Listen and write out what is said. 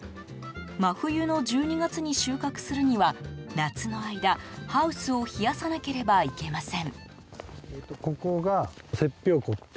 真冬の１２月に収穫するには夏の間、ハウスを冷やさなければいけません。